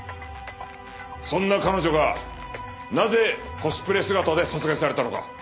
そんな彼女がなぜコスプレ姿で殺害されたのか。